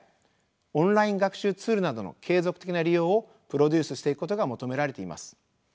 オンライン学習ツールなどの継続的な利用をプロデュースしていくことが求められています。